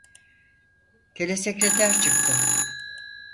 Telesekreter çıktı.